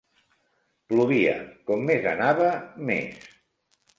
Plovia com més anava, més.